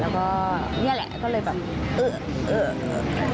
แล้วก็นี่แหละเลยแบบ